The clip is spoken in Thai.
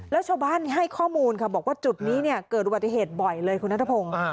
แล้วชาวบ้านให้ข้อมูลค่ะบอกว่าจุดนี้เนี่ยเกิดอุบัติเหตุบ่อยเลยคุณนัทพงศ์